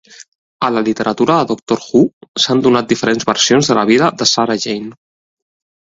A la literatura de "Doctor Who", s'han donat diferents versions de la vida de Sarah Jane.